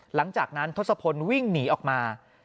หลังจากนั้นทศพลวิ่งหนีออกมา